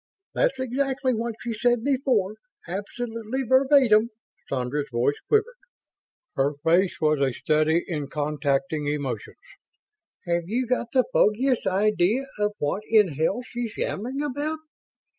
"That's exactly what she said before absolutely verbatim!" Sandra's voice quivered, her face was a study in contacting emotions. "Have you got the foggiest idea of what in hell she's yammering about?"